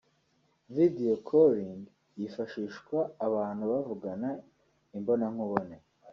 Video calling yifashishwa abantu bavugana imbona nkubone